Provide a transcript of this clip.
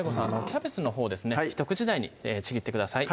キャベツのほうですねひと口大にちぎってください